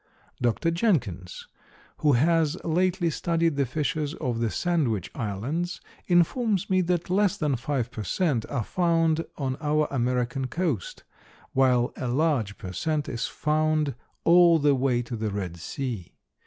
Dr. Jenkins, who has lately studied the fishes of the Sandwich Islands, informs me that less than five per cent. are found on our American coast, while a large per cent. is found all the way to the Red sea.